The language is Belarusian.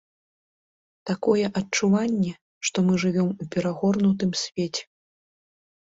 Такое адчуванне, што мы жывём у перагорнутым свеце.